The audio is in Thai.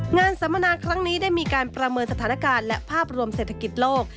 สัมมนาครั้งนี้ได้มีการประเมินสถานการณ์และภาพรวมเศรษฐกิจโลก